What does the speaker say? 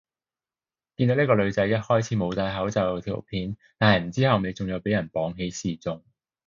見到呢個女仔一開始冇戴口罩條片，但係唔知後尾仲有俾人綁起示眾